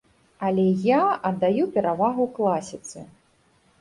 Але я аддаю перавагу класіцы.